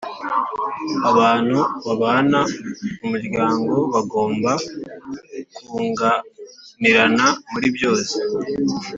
Abantu babana mu muryango bagomba kunganirana muri byose